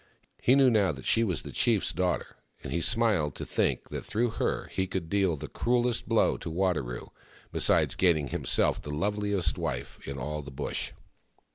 He knew now she was the chief's daughter, and he smiled to think that through her he could deal the cruellest blow to Wadaro, besides gaining for himself the loveliest wife in all the Bush.